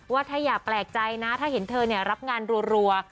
ว่าถ้าอย่าแปลกใจนะถ้าเห็นเธอรับงานรัว